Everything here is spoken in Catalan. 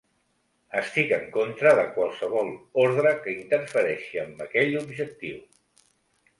Estic en contra de qualsevol ordre que interfereixi amb aquell objectiu.